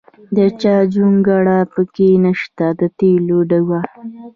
د چا جونګړه پکې نشته د تېلو ډیوه.